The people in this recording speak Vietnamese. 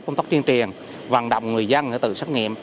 lồng tóc tiên triền vận động người dân để tự xét nghiệm